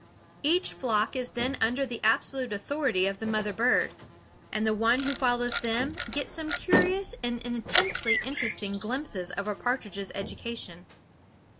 Each flock is then under the absolute authority of the mother bird; and one who follows them gets some curious and intensely interesting glimpses of a partridge's education.